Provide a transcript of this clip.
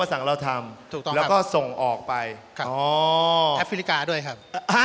แอฟริกาด้วยครับ